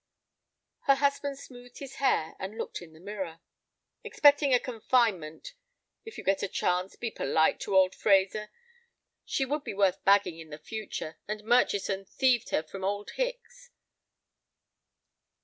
Her husband smoothed his hair and looked in the mirror. "Expecting a confinement. If you get a chance, be polite to old Fraser, she would be worth bagging in the future, and Murchison thieved her from old Hicks."